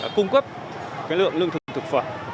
cái lượng lương thực thực phẩm cái lượng lương thực thực phẩm